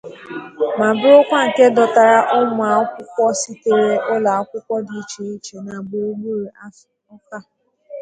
ma bụrụkwa nke dọtara ụmụakwụkwọ sitere ụlọakwụkwọ dị iche iche dị na gburugburu Awka